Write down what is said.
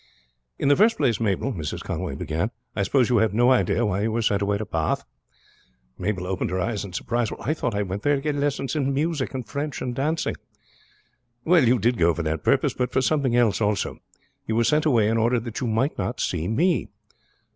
"In the first place, Mabel," Mrs. Conway began, "I suppose you have no idea why you were sent away to Bath?" Mabel opened her eyes in surprise. "I thought I went there to get lessons in music and French and dancing." "Well, you did go for that purpose, but for something else also. You were sent away in order that you might not see me."